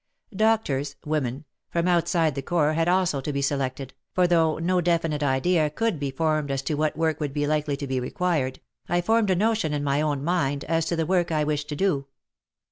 Doctors (women) from outside the Corps had also to be selected, for though no definite idea could be formed as to what work would be likely to be required, I formed a notion in my own mind as to the work I wished to do.